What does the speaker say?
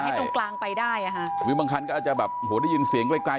ให้ตรงกลางไปได้อ่ะฮะบางครั้งก็อาจจะแบบโหได้ยินเสียงไกล